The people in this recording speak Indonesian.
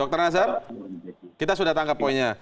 dr nazar kita sudah tangkap poinnya